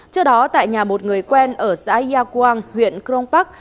trước đó tại nhà một người quen ở xã ya quang huyện crong park